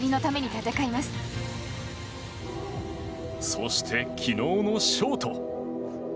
そして、昨日のショート。